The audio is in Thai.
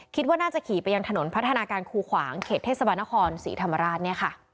คิดว่าน่าจะขี่ไปยังถนนพัฒนาการคูขวางเขตเทศบาลนครศรีธรรมราช